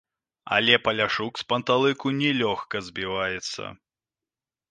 Але паляшук з панталыку не лёгка збіваецца.